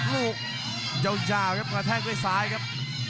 หลุกเจี่ยวกระแทงด้วยซ้ายครับ